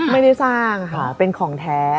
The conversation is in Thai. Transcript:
ไม่ได้สร้างค่ะเป็นของแท้